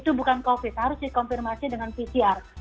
itu bukan covid harus dikonfirmasi dengan pcr